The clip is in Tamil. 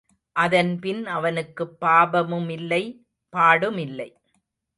அதன்பின் அவனுக்குப் பாபமுமில்லை, பாடுமில்லை.